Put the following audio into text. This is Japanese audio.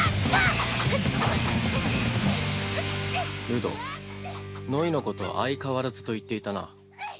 ルドノイのこと相変わらずと言っていたな？